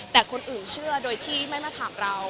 แต่คนอื่นเชื่อโดยที่ไม่มาถามเรา